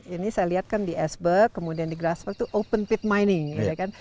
ini saya lihat kan di esberg kemudian di grasberg itu open pit mining